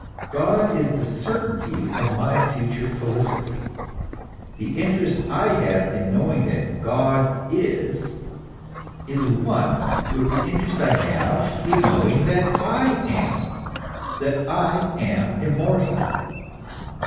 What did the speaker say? God is the cer tainty of my future felicity. The interest I have in knowing that God is, is one with the interest I have in knowing that I am, that I am immortal.